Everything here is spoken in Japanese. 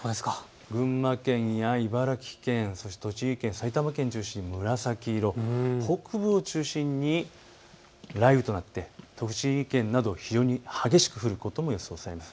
群馬県や茨城県、そして栃木県、埼玉県を中心に紫色、北部を中心に雷雨となって栃木県など非常に激しく降ることも予想されます。